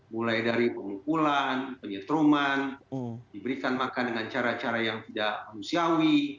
mulai dari pemukulan penyetruman diberikan makan dengan cara cara yang tidak manusiawi